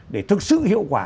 để thực sự hiệu quả